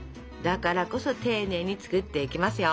だからこそ丁寧に作っていきますよ。ＯＫ！